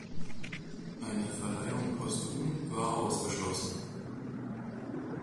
Eine Verleihung postum war ausgeschlossen.